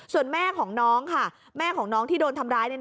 ส่วนแม่ของน้องค่ะแม่ของน้องที่โดนทำร้าย